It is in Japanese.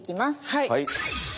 はい。